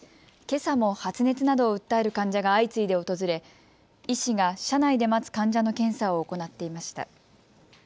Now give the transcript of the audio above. けさも発熱などを訴える患者が相次いで訪れ医師が車内で待つ患者の検査を行っていました。